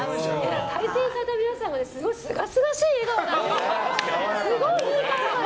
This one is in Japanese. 対戦された皆さんがすごいすがすがしい笑顔なんですよね。